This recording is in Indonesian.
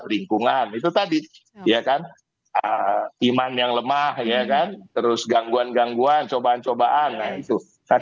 lingkungan itu tadi ya kan iman yang lemah ya kan terus gangguan gangguan cobaan cobaan nah itu